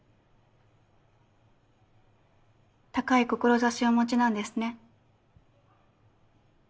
高い志をお持ちなんですね。